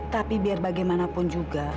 tapi biar bagaimanapun juga